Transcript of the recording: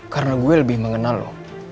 karena gue lebih mengenal lo